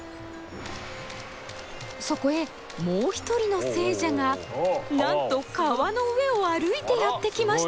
そこへもう一人の聖者がなんと川の上を歩いてやって来ました！